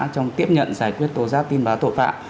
trong tiếp nhận giải quyết tố giác tin báo tội phạm